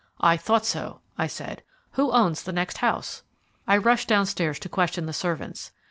"I thought so," I said. "Who owns the next house?" I rushed downstairs to question the servants.